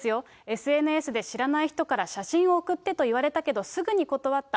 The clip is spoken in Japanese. ＳＮＳで知らない人から写真を撮ってと言われたけど、すぐに断った。